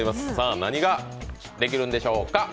何ができるんでしょうか。